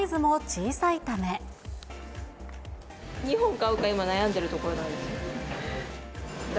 ２本買うか今悩んでいるところなんですよ。